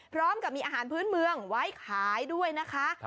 พร้อมกับมีอาหารพื้นเมืองไว้ขายด้วยนะคะ